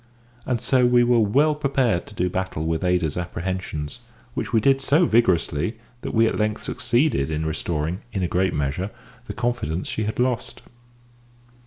And so we were well prepared to do battle with Ada's apprehensions, which we did so vigorously that we at length succeeded in restoring, in a great measure, the confidence she had lost.